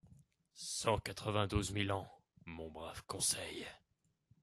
Cent quatre-vingt-douze mille ans, mon brave Conseil